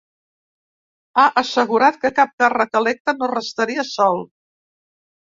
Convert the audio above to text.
Ha assegurat que cap càrrec electe no restaria sol.